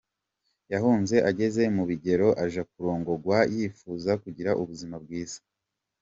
Yahunze ageze mu bigero, aja kurongogwa yipfuza kugira ubuzima bwiza kurusha.